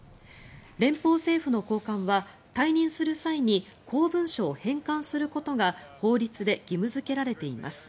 連邦政府の高官は退任する際に公文書を返還することが法律で義務付けられています。